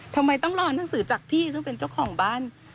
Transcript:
ทำไมต้องรอหนังสือจากพี่ซึ่งเป็นเจ้าของบ้าน